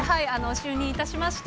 就任いたしまして、